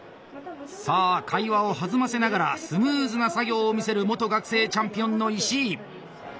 さあ会話を弾ませながらスムーズな作業を見せる元学生チャンピオンの石井。